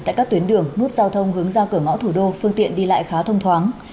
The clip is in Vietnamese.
tại các tuyến đường nút giao thông hướng ra cửa ngõ thủ đô phương tiện đi lại khá thông thoáng